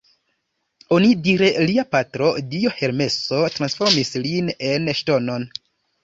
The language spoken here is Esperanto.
Onidire lia patro, dio Hermeso transformis lin en ŝtonon.